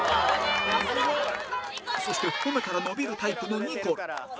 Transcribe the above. そして褒めたら伸びるタイプのニコル